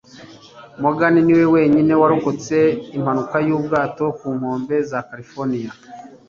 Morgan ni we wenyine warokotse impanuka y'ubwato ku nkombe za Californiya